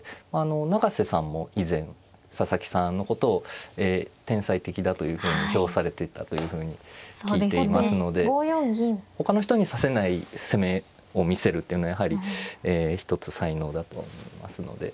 永瀬さんも以前佐々木さんのことを天才的だというふうに評されてたというふうに聞いていますのでほかの人に指せない攻めを見せるっていうのはやはり一つ才能だとは思いますので。